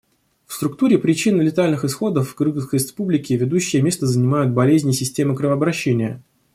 В структуре причин летальных исходов в Кыргызской Республике ведущее место занимают болезни системы кровообращения.